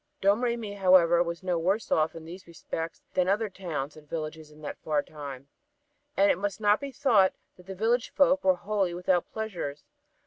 Domremy, however, was no worse off in these respects than other towns and villages in that far time. And it must not be thought that the village folk were wholly without pleasures.